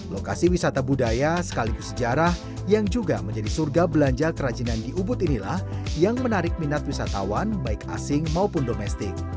lokasi wisata budaya sekaligus sejarah yang juga menjadi surga belanja kerajinan di ubud inilah yang menarik minat wisatawan baik asing maupun domestik